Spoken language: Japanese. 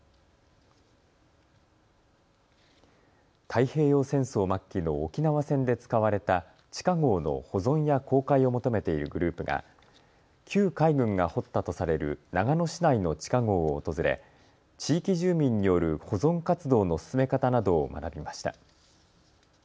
太平洋戦争末期の沖縄戦で使われた地下ごうの保存や公開を求めているグループが旧海軍が掘ったとされる長野市内の地下ごうを訪れ、地域住民による保存活動の進め方などを学びました。